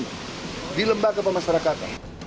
yang di lembah kepada masyarakat